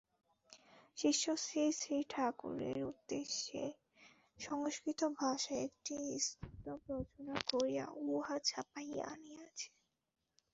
শিষ্য শ্রীশ্রীঠাকুরের উদ্দেশে সংস্কৃত ভাষায় একটি স্তব রচনা করিয়া উহা ছাপাইয়া আনিয়াছে।